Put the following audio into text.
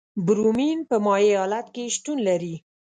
برومین په مایع حالت کې شتون لري.